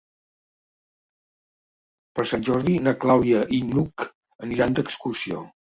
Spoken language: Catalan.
Per Sant Jordi na Clàudia i n'Hug aniran d'excursió.